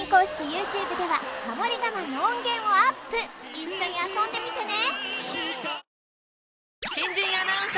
一緒に遊んでみてね！